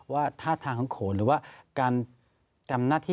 ท่าทางของโขนหรือว่าการจำหน้าที่